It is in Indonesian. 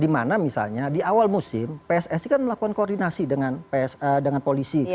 dimana misalnya di awal musim pssi kan melakukan koordinasi dengan polisi